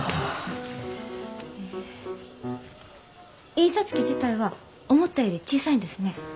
印刷機自体は思ったより小さいんですね。